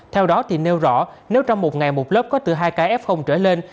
theo đó thì nêu rõ nếu trong một ngày một lớp có từ hai cái f trở lên